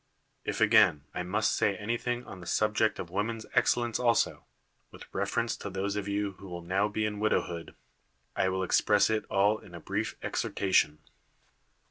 If, again, I must say anything on the subject of woman's excellence also, with reference to those of you who will now be in widowhood, I will express it all in a brief exhortation.